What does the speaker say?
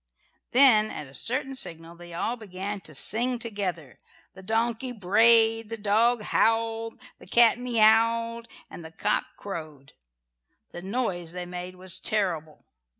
Then at a certain signal they all began to sing together. The donkey brayed, the dog howled, the cat miaued, and the cock crowed. The noise they made was terrible.